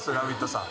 さん